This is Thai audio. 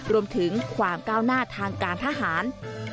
รวมถึงความก้าวหน้าทางการทหาร